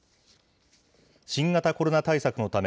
新型コロナ対策のため、